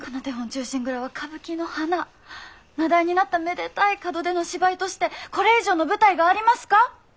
名題になっためでたい門出の芝居としてこれ以上の舞台がありますか？